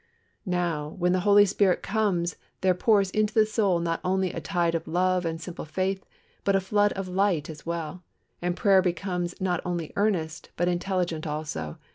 Now, when the Holy Spirit comes there pours into the soul not only a tide of love and simple faith, but a flood of light as well, and prayer becomes not only earnest, but intelligent also.